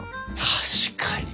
確かに！